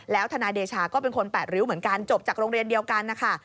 แล้วทนายเดชาก็เป็นคนแปดริ้วเหมือนกันจบจากโรงเรียนเดียวกันนะคะ